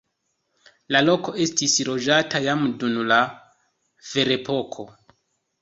La loko estis loĝata jam dun la ferepoko.